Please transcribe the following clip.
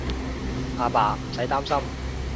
阿爸，唔使擔心